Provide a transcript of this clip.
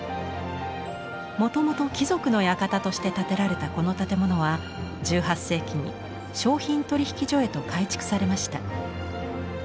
もともと貴族の館として建てられたこの建物は１８世紀に商品取引所へと改築されました。